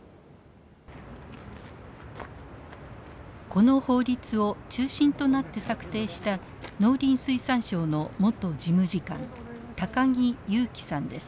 この法律を中心となって策定した農林水産省の元事務次官高木勇樹さんです。